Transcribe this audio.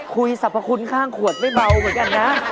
สรรพคุณข้างขวดไม่เบาเหมือนกันนะ